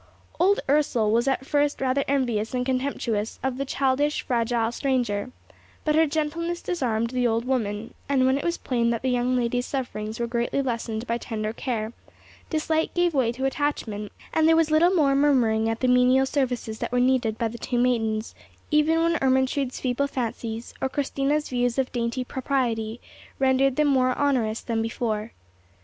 Old Ursel was at first rather envious and contemptuous of the childish, fragile stranger, but her gentleness disarmed the old woman; and, when it was plain that the young lady's sufferings were greatly lessened by tender care, dislike gave way to attachment, and there was little more murmuring at the menial services that were needed by the two maidens, even when Ermentrude's feeble fancies, or Christina's views of dainty propriety, rendered them more onerous than before.